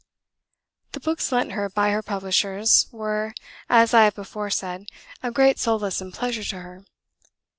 '" The books lent her by her publishers were, as I have before said, a great solace and pleasure to her.